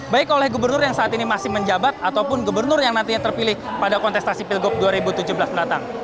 baik oleh gubernur yang saat ini masih menjabat ataupun gubernur yang nantinya terpilih pada kontestasi pilgub dua ribu tujuh belas mendatang